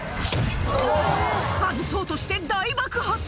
外そうとして大爆発。